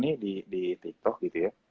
ini di tiktok gitu ya